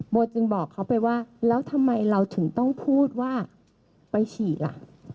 จึงบอกเขาไปว่าแล้วทำไมเราถึงต้องพูดว่าไปฉีดล่ะ